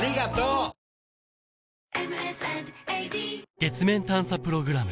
月面探査プログラム